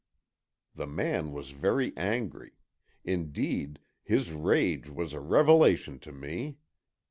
The man was very angry. Indeed, his rage was a revelation to me.